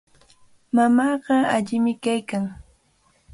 Mamaaqa allimi kaykan.